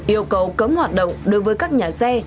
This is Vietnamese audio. yêu cầu cấm hoạt động đối với các nhà xe